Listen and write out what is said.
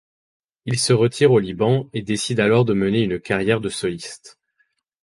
Il se retire au Liban et décide alors de mener une carrière de soliste.